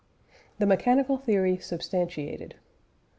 THE MECHANICAL THEORY SUBSTANTIATED.